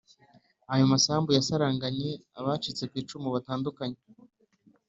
Ayo masambu bayasaranganye abacitse ku icumu batandukanye